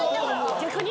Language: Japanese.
逆に？